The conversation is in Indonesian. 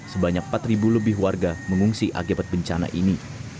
sebanyak empat lebih warga mengungsi akibat bencana ini